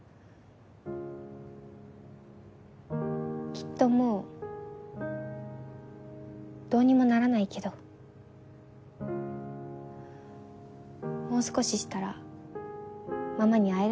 きっともうどうにもならないけどもう少ししたらママに会えるのかなって。